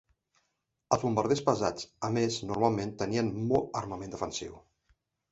Els bombarders pesats a més normalment tenien molt armament defensiu.